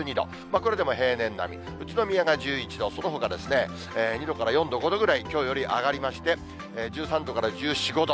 これでも平年並み、宇都宮が１１度、そのほか２度から４度、５度ぐらいきょうより上がりまして、１３度から１４、５度。